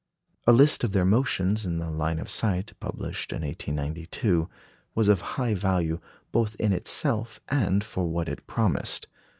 A list of their motions in the line of sight, published in 1892, was of high value, both in itself and for what it promised.